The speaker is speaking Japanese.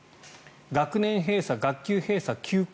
学年閉鎖、学級閉鎖、休校